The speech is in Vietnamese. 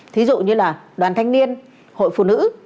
thí dụ như là đoàn thanh niên hội phụ nữ